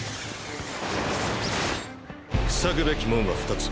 塞ぐべき門は２つ。